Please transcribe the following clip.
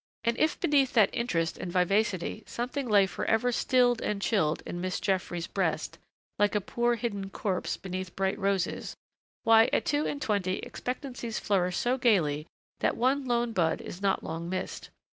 And if beneath that interest and vivacity something lay forever stilled and chilled in Miss Jeffries' breast like a poor hidden corpse beneath bright roses why at two and twenty expectancies flourish so gayly that one lone bud is not long missed.